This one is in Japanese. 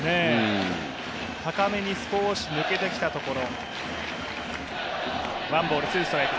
高めに少し抜けてきたところ。